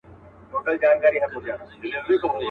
چنګ دي کم رباب دي کم سارنګ دي کم.